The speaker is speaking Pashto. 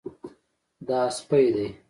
دا سپی دی